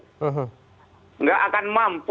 jauh lebih berat kita nggak akan mampu